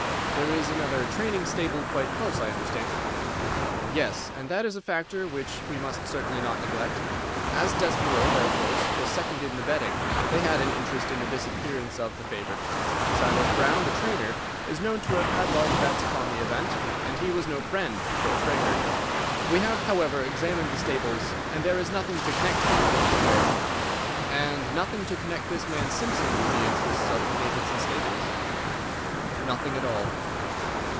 "There is another training stable quite close, I understand?" "Yes, and that is a factor which we must certainly not neglect. As Desborough, their horse, was second in the betting, they had an interest in the disappearance of the favourite. Silas Brown, the trainer, is known to have had large bets upon the event, and he was no friend to poor Straker. We have, however, examined the stables, and there is nothing to connect him with the affair." "And nothing to connect this man Simpson with the interests of the Mapleton stables?" "Nothing at all."